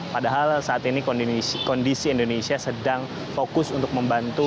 padahal saat ini kondisi indonesia sedang fokus untuk membantu